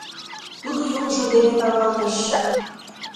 Тудо йолжо дене тавалтыш: